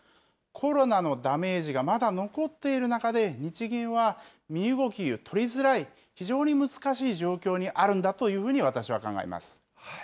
コロナのダメージがまだ残っている中で、日銀は身動き取りづらい、非常に難しい状況にあるんだというふうに私は考えます。